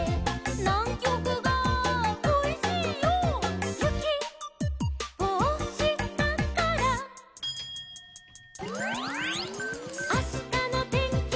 「『ナンキョクがこいしいよ』」「ゆきをおしたから」「あしたのてんきは」